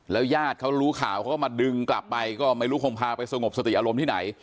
ญาติเขารู้ข่าวเขาก็มาดึงกลับไปก็ไม่รู้คงพาไปสงบสติอารมณ์ที่ไหน